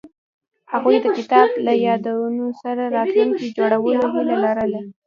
هغوی د کتاب له یادونو سره راتلونکی جوړولو هیله لرله.